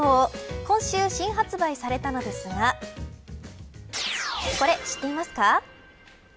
今週、新発売されたのですがこれ、知っていますか。